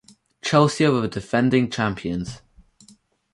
Chelsea are the defending champions.